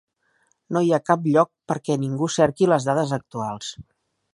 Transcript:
No hi ha cap lloc per que ningú cerqui les dades actuals.